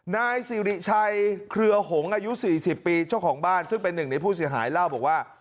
นายสิริชัยเครือหงอายุ๔๐ปีเจ้าของบ้านซึ่งเป็นหนึ่งในผู้เสียหายเล่าบอกว่า